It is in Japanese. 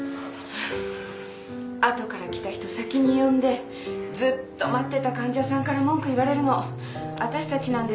後から来た人先に呼んでずっと待ってた患者さんから文句言われるのわたしたちなんですよ。